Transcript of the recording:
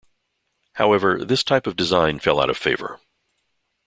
However, this type of design fell out of favour.